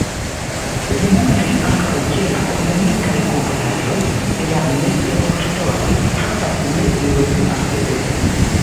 Li montris ankaŭ, ke la organikaj komponaĵoj de la meteorŝtonoj havas ne-biologian devenon.